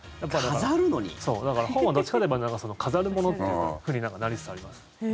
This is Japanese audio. そう、だから本はどっちかと言えばなんか飾るものっていうふうになりつつあります。